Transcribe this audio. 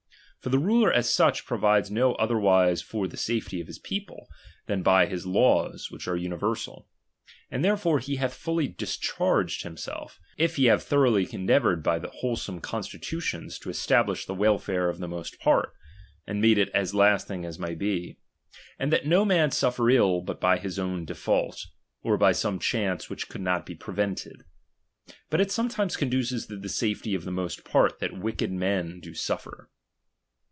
For the ruler (as such) provides no otherwise for the safety of his people, than by his laws, which are universal ; and therefore he hath fully discharged himself, if he have thoroughly endeavoured by wholesome constitutions to establish the welfare of the most part, and made it as lasting as may be ; aud that no man suffer ill, but by his own default, or by some chance which could not be prevented. But it sometimes conduces to the safety of the most part, that wicked men do suffer.